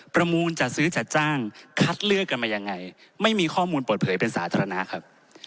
มูลจัดซื้อจัดจ้างคัดเลือกกันมายังไงไม่มีข้อมูลเปิดเผยเป็นสาธารณะครับ